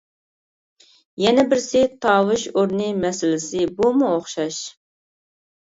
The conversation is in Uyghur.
يەنە بىرسى تاۋۇش ئورنى مەسىلىسى، بۇمۇ ئوخشاش.